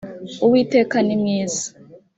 uwiteka nimwiza .